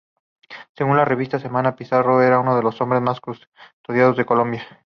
Según la Revista Semana, Pizarro era uno de los hombres más custodiados de Colombia.